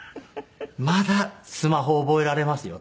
「まだスマホを覚えられますよ」